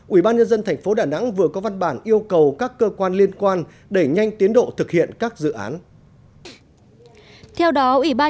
ubnd tp đà nẵng vừa có văn bản yêu cầu các cơ quan liên quan để nhanh tiến độ thực hiện các cơ quan liên quan